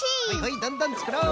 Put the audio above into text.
どんどんつくろう！